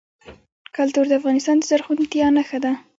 کلتور د افغانستان د زرغونتیا نښه ده.